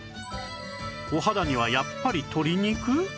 お肌にはやっぱり鶏肉？